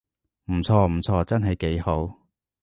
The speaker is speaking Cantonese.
唔錯唔錯，真係幾好